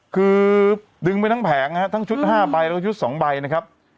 คือดึงไปทั้งแผงนะฮะทั้งชุด๕ใบแล้วก็ชุด๒ใบนะครับ